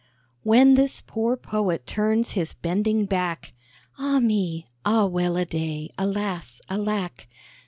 "When this poor Poet turns his bending back, (_Ah me! Ah, well a day! Alas! Alack!